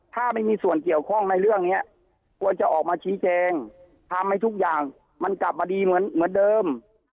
ถ้าไม่มีส่วนเกี่ยวข้องในเรื่องนี้ควรจะออกมาชี้แจงทำให้ทุกอย่างมันกลับมาดีเหมือนเดิม